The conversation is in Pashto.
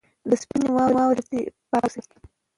د سپینې واورې په څېر پاک اوسئ.